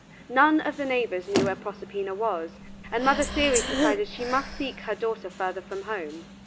None of the neighbors knew where Proserpina was, and Mother Ceres decided she must seek her daughter further from home.